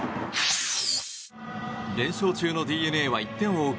連勝中のＤｅＮＡは１点を追う